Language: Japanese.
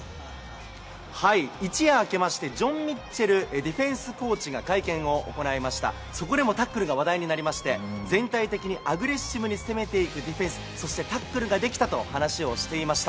一夜明けましてジョン・ミッチェルディフェンスコーチが会見を行ってそこでもタックルが話題となり全体的にアグレッシブに攻めていくディフェンスそして、タックルができたと話をしていました。